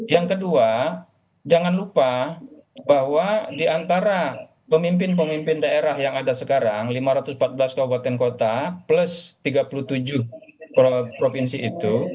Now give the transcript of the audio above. yang kedua jangan lupa bahwa di antara pemimpin pemimpin daerah yang ada sekarang lima ratus empat belas kabupaten kota plus tiga puluh tujuh provinsi itu